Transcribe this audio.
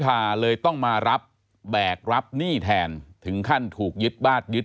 ยาท่าน้ำขาวไทยนครเพราะทุกการเดินทางของคุณจะมีแต่รอยยิ้ม